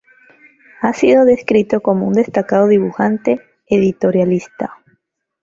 Ha sido descrito como un destacado dibujante editorialista.